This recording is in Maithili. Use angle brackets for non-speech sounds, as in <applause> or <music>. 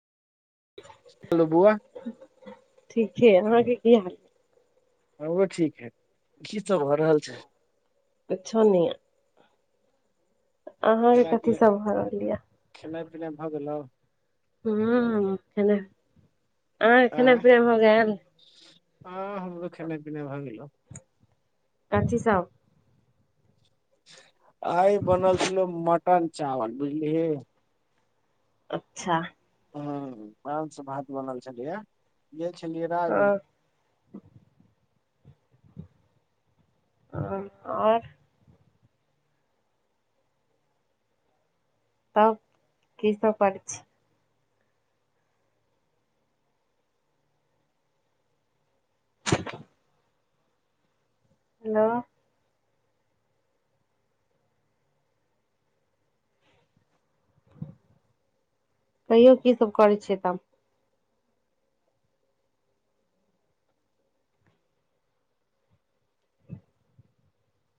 हेलो बौआ। ठीक छै, अहाँके की हाल? हमरो ठीक हय, की सब भ रहल छै? कुछों नै य अहाँके कथी सब भ रहल यै? खेनाइ-पिनाइ भऽ गेलौ? हूॅं खनाइ, अहाॅं के खनाइ-पिनाइ भ गेल। आ हमरो खेइना-पिनाय भ गेलो। कथी सब? आइ बनल छलो मटन-चावल बुझलिह। अच्छा। हाॅं माॅंस भात बनल छले यै, गेल छलियै राजनगर। हँ हाॅं और तब की सब पर छी। <inaudible> हेलो। तैयो की सभ करै छिये, तब।